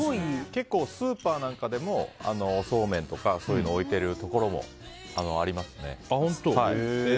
結構スーパーなんかでもそうめんとかそういうの置いてるところもありますね。